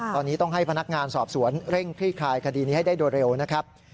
ตอนนี้ต้องให้พนักงานสอบสวนเร่งคลี่คลายคดีนี้ให้ได้โดยเร็วนะครับ